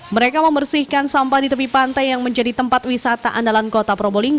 mereka membersihkan sampah di tepi pantai yang menjadi tempat wisata andalan kota probolinggo